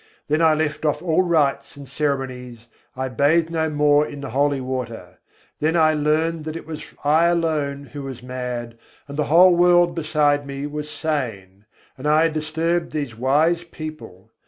Then I left off all rites and ceremonies, I bathed no more in the holy water: Then I learned that it was I alone who was mad, and the whole world beside me was sane; and I had disturbed these wise people.